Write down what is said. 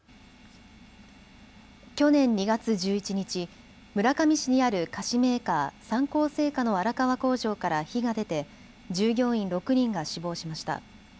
去年２月１１日、村上市にある菓子メーカー、三幸製菓の荒川工場から火が出て従業員６人が死亡しました。